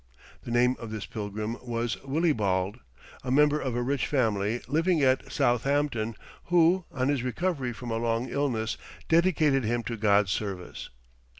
The name of this pilgrim was Willibald, a member of a rich family living at Southampton, who, on his recovery from a long illness, dedicated him to God's service.